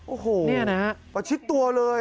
โอ้โหประชิดตัวเลย